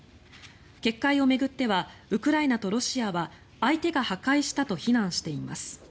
決壊を巡ってはウクライナとロシアは相手が破壊したと非難しています。